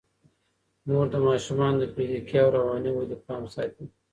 مور د ماشومانو د فزیکي او رواني ودې پام ساتي.